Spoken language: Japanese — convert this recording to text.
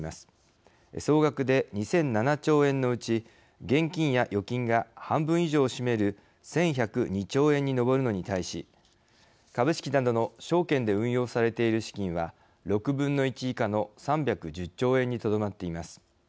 総額で２００７兆円のうち現金や預金が半分以上を占める１，１０２兆円に上るのに対し株式などの証券で運用されている資金は６分の１以下の３１０兆円にとどまっています。